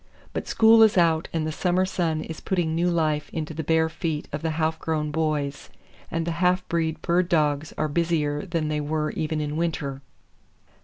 But school is out and the summer sun is putting new life into [Page 113] the bare feet of the half grown boys, and the halfbreed bird dogs are busier than they were even in winter.